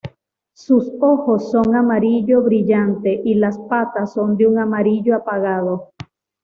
Sus ojos son amarillo brillante y las patas son de un amarillo apagado.